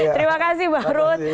terima kasih bang rut